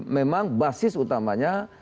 memang basis utamanya